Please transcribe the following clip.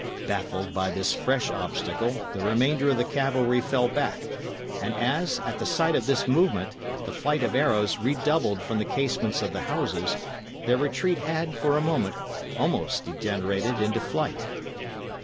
Baffled by this fresh obstacle, the remainder of the cavalry fell back; and as, at the sight of this movement, the flight of arrows redoubled from the casements of the houses, their retreat had, for a moment, almost degenerated into flight.